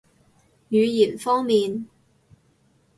語言方面